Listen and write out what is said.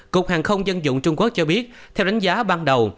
cục hàng không dân dụng trung quốc cho biết theo đánh giá ban đầu